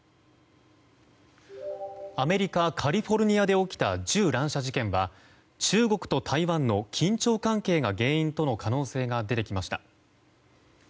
アメリカ・カリフォルニアで起きた銃乱射事件は中国と台湾の緊張関係が原因との可能性が出てきました。